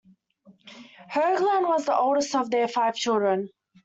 Hoagland was the oldest of their five children.